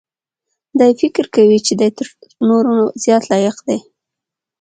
دی فکر کوي چې دی تر نورو زیات لایق دی.